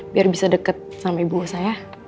biar bisa deket sama ibu saya